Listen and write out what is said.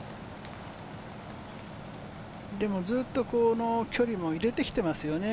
でもずっとこの距離も入れてきてますよね。